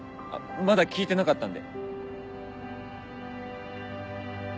まだ聞いてなかったんで。